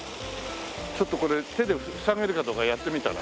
ちょっとこれ手でふさげるかどうかやってみたら？